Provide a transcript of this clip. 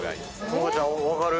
萌歌ちゃん分かる？